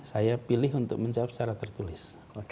saya pilih untuk menjawab secara tertulis